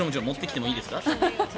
持ってきてもいいですか？